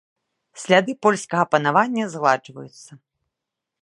Сляды польскага панавання згладжваюцца.